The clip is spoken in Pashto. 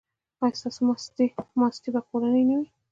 ایا ستاسو ماستې به کورنۍ نه وي؟